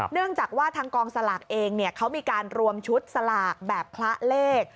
เนื่องจากว่าทางกองสลากเองเขามีการรวมชุดสลากแบบคละเลข